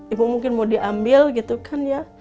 ibu mungkin mau diambil gitu kan ya